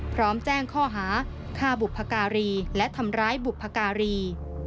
พร้อมแจ้งข้อหาฆ่าบุพการีและทำร้ายบุพการี